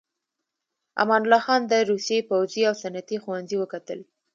امان الله خان د روسيې پوځي او صنعتي ښوونځي وکتل.